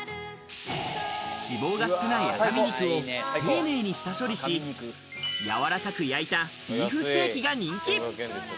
脂肪が少ない赤身肉を丁寧に下処理し、やわらかく焼いたビーフステーキが人気。